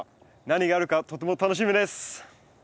何があるかとても楽しみです。